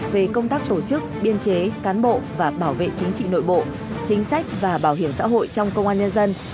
về công tác tổ chức biên chế cán bộ và bảo vệ chính trị nội bộ chính sách và bảo hiểm xã hội trong công an nhân dân